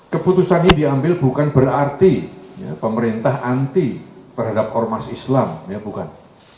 keputusan ini diambil bukan berarti pemerintah anti terhadap ormas islam ya bukan